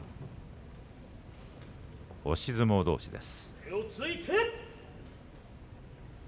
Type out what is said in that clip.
押し相撲どうしの対戦。